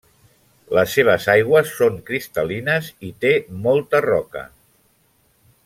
Les seves aigües són cristal·lines i té molta roca.